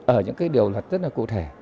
ở những cái điều luật tất là cụ thể